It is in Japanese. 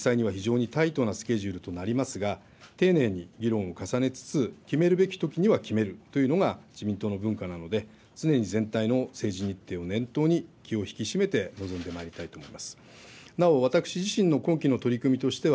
年末まで時間があるようで、実際には非常にタイトなスケジュールとなりますが、丁寧に議論を重ねつつ、決めるべきときには決めるというのが自民党の文化なので、常に全体の政治日程を念頭に、気を引き締めて臨んでまいりたいと思います。